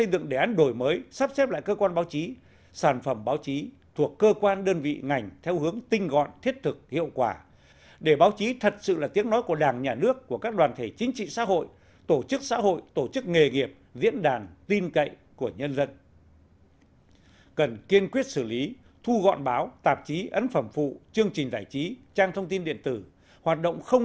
một mươi đổi mới sự lãnh đạo của đảng sự quản lý của nhà nước đối với báo chí cần đi đôi với tăng cường